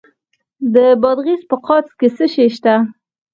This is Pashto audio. د بادغیس په قادس کې څه شی شته؟